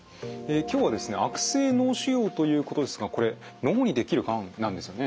今日はですね悪性脳腫瘍ということですがこれ脳にできるがんなんですよね？